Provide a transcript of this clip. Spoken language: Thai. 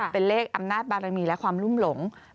เป็นเลขอำนาจบารมีและความรุ่มหลง